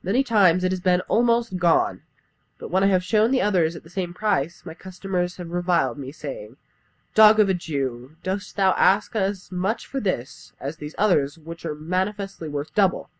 "Many times it has been almost gone, but when I have shown the others at the same price, my customers have reviled me, saying, 'Dog of a Jew, dost thou ask as much for this as for these others Which are manifestly worth double?'